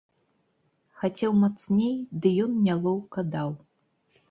Хацеў мацней, ды ён нялоўка даў.